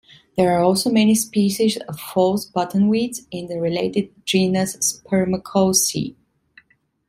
There are also many species of False Buttonweeds in the related genus "Spermacoce".